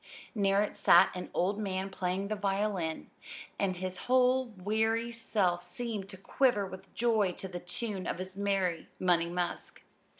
Near it sat an old man playing the violin; and his whole wiry self seemed to quiver with joy to the tune of his merry "Money Musk."